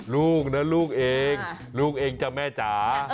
ลูกนะลูกเองลูกเองจ้ะแม่จ๋า